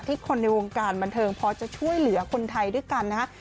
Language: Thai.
คนในวงการบันเทิงพอจะช่วยเหลือคนไทยด้วยกันนะฮะ